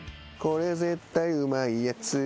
「これ絶対うまいやつ」